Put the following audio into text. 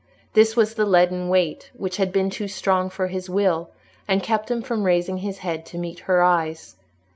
This was the leaden weight which had been too strong for his will, and kept him from raising his head to meet her eyes.